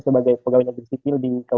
sebagai pegawai negeri sipil di